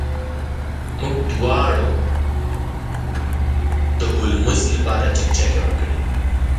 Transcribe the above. موږ دواړو د هولمز لپاره چکچکې وکړې.